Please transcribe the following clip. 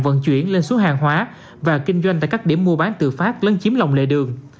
vận chuyển lên số hàng hóa và kinh doanh tại các điểm mua bán tự phát lấn chiếm lòng lệ đường